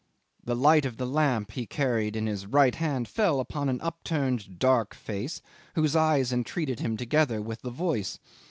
The light of the lamp he carried in his right hand fell upon an upturned dark face whose eyes entreated him together with the voice.